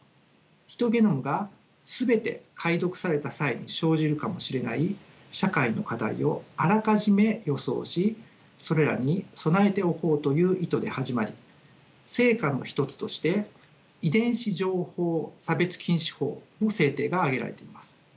ヒトゲノムが全て解読された際に生じるかもしれない社会の課題をあらかじめ予想しそれらに備えておこうという意図で始まり成果の一つとして遺伝子情報差別禁止法の制定が挙げられています。